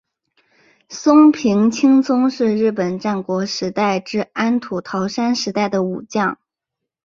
松平清宗是日本战国时代至安土桃山时代的武将。